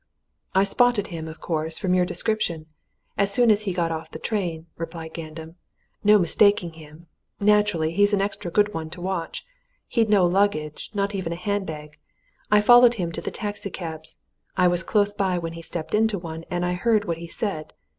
"I spotted him, of course, from your description, as soon as he got out of the train," replied Gandam. "No mistaking him, naturally he's an extra good one to watch. He'd no luggage not even a handbag. I followed him to the taxi cabs. I was close by when he stepped into one, and I heard what he said.